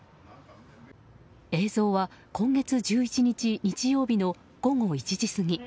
映像は今月１１日日曜日の午後１時過ぎ。